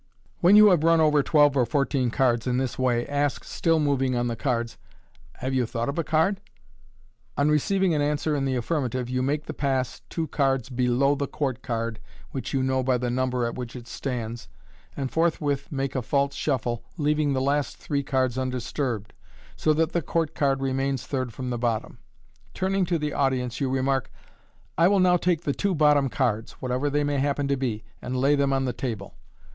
When you hav« run over twelve or fourteen cards in this way, ask, still moving on the cards, " Have you thought of a card ?" On receiving an answer in the affirmative, you make the pass two cards beh> the court card (which you know by the number at which it stands), and forthwith make a false shuffle, leaving the last three cards undisturbed, so that the court card remains third from the bottom. Turning to the audi ence, you remark, " I will now take the two bottom cards, whatever they may happen to be, and lay them on the table."